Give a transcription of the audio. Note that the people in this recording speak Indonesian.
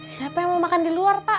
siapa yang mau makan di luar pak